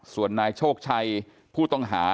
ส่วนนายโชคชัยผู้ต้องหา